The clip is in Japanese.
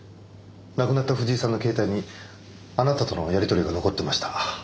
亡くなった藤井さんの携帯にあなたとのやり取りが残ってました。